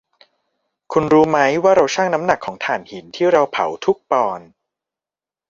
คุณรู้มั้ยว่าเราชั่งน้ำหนักของถ่านหินที่เราเผาทุกปอนด์